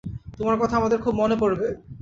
তোমার কথা আমাদের খুব মনে পড়বে।